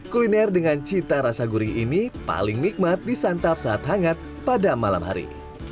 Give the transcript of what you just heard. kuliner dengan cita rasa gurih ini paling nikmat disantap saat hangat pada malam hari